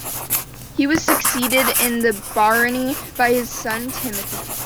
He was succeeded in the barony by his son Timothy.